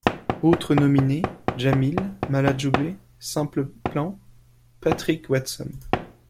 Autres nominés: Jamil, Malajube, Simple Plan, Patrick Watson.